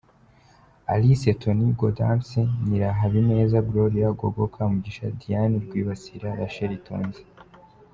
Alice Toni Gaudance Nyirahabineza Gloria Gogo Kamugisha Diana Rwibasira Rachel Tonzi.